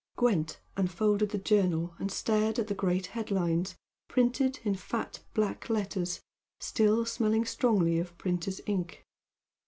Gwent unfolded the journal and stared at the great headlines, printed in fat black letters, still smelling strongly of printer's ink.